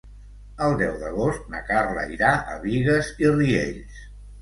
El deu d'agost na Carla irà a Bigues i Riells.